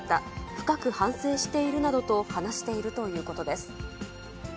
深く反省しているなどと話しているということです。